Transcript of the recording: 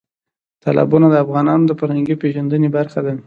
تالابونه د افغانانو د فرهنګي پیژندنې برخه ده.